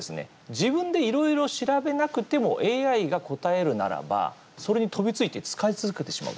自分でいろいろ調べなくてもＡＩが答えるならばそれに飛びついて使い続けてしまうだろうと。